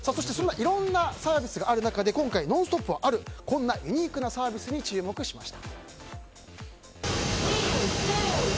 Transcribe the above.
いろんなサービスがある中で「ノンストップ！」はこんなユニークなサービスに注目しました。